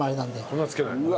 粉はつけない。